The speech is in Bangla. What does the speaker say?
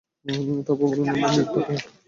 তারপর বললেন, আমরা নীরব থাকলাম।